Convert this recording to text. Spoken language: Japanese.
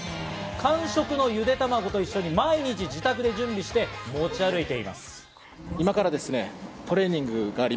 間食のゆで卵と一緒に毎日自宅で準備して持ち歩いています。